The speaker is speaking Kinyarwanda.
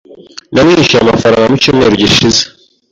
Namwishyuye amafaranga mu cyumweru gishize.